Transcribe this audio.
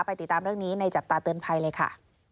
ติดตามเรื่องนี้ในจับตาเตือนภัยเลยค่ะ